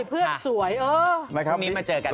พรุ่งนี้มาเจอกันล่ะครับ